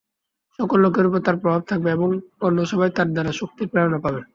সকল লোকের উপর তার প্রভাব থাকবে এবং অন্য সবাই তার দ্বারা শক্তির প্রেরণা পাবে।